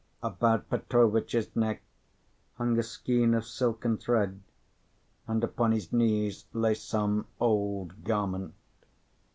About Petrovitch's neck hung a skein of silk and thread, and upon his knees lay some old garment.